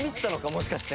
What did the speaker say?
もしかして。